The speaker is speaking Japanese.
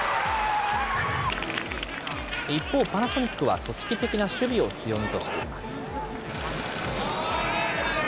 一方、パナソニックは組織的な守備を強みとしています。